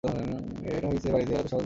এইটা হইসে বাড়ির দেয়াল, এত সহজে ভাঙে না।